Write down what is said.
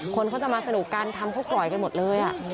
คนเขาจะมาสนุกการทำพกรอยกันหมดเลย